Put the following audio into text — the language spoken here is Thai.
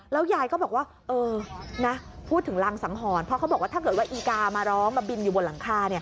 ยายก็บอกว่าเออนะพูดถึงรังสังหรณ์เพราะเขาบอกว่าถ้าเกิดว่าอีกามาร้องมาบินอยู่บนหลังคา